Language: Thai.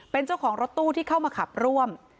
เป็นเจ้าของรถตู้ที่เข้ามาขับร่วม